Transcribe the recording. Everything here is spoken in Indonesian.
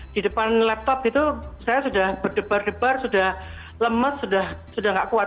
di depan laptop itu saya sudah berdebar debar sudah lemes sudah tidak kuat